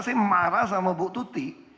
saya marah sama bu tuti